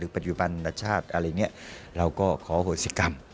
ปัจจุบันนชาติอะไรอย่างนี้เราก็ขอโหสิกรรม